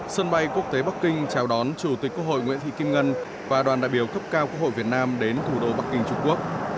sân bay quốc tế bắc kinh chào đón chủ tịch quốc hội nguyễn thị kim ngân và đoàn đại biểu cấp cao quốc hội việt nam đến thủ đô bắc kinh trung quốc